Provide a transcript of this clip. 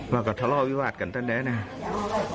แล้วก็ทะเลาะวิวาดกันตั้งแต่นี่